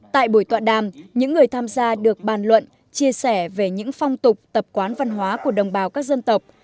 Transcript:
tại buổi tọa đàm những người tham gia được bàn luận chia sẻ về những phong tục tập quán văn hóa của đồng bào các dân tộc